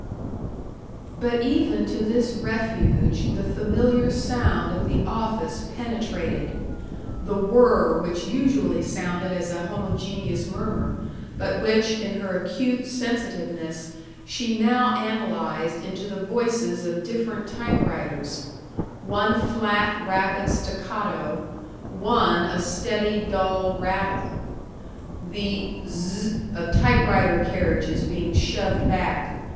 But even to this refuge the familiar sound of the office penetrated the whirr which usually sounded as a homogeneous murmur, but which, in her acute sensitiveness, she now analyzed into the voices of different typewriters one flat, rapid, staccato; one a steady, dull rattle. The "zzzzz" of typewriter carriages being shoved back.